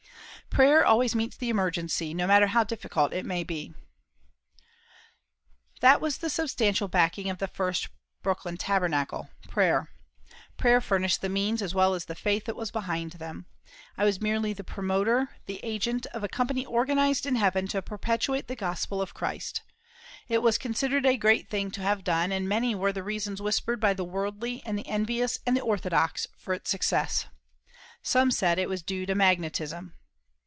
Prayer always meets the emergency, no matter how difficult it may be. That was the substantial backing of the first Brooklyn Tabernacle prayer. Prayer furnished the means as well as the faith that was behind them. I was merely the promoter, the agent, of a company organised in Heaven to perpetuate the Gospel of Christ. It was considered a great thing to have done, and many were the reasons whispered by the worldly and the envious and the orthodox, for its success. Some said it was due to magnetism.